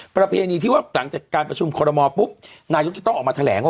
ประเพณีที่ว่าหลังจากการประชุมคอรมอลปุ๊บนายกจะต้องออกมาแถลงว่า